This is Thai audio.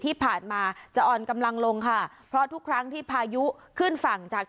ที่ผ่านมาจะอ่อนกำลังลงค่ะเพราะทุกครั้งที่พายุขึ้นฝั่งจาก